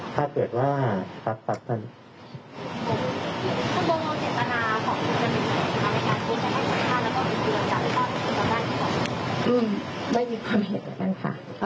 ถ้าเกิดว่าครับครับท่านครับครับครับครับครับไม่มีความเหตุแบบนั้นค่ะ